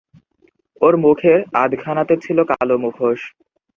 ওর মুখের আধখানাতে ছিল কালো মুখোশ।